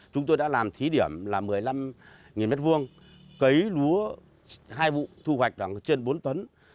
chúng tôi đã làm thí điểm là một mươi năm m hai cấy lúa hai vụ thu hoạch trên bốn tấn